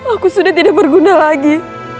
aku sudah tidak berguna lagi